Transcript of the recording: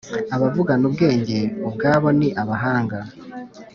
Abavugana ubwenge, ubwabo ni abahanga,